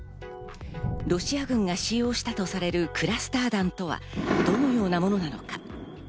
ロシア軍が使用したとされるクラスター弾とはどのようなものなのか。